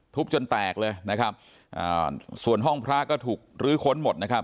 จนแตกเลยนะครับอ่าส่วนห้องพระก็ถูกลื้อค้นหมดนะครับ